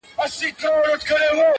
• نه په ژوندون وه پر چا راغلي -